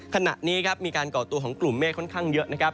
ขณะนี้ครับมีการก่อตัวของกลุ่มเมฆค่อนข้างเยอะนะครับ